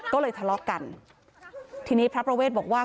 ก็เลยทะเลาะกันทีนี้พระประเวทบอกว่า